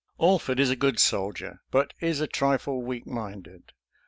»Alford is a good soldier, but is a trifle weak minded.